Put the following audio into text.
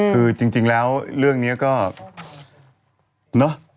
คือจริงแล้วเรื่องนี้ก็เนอะ